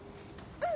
うん。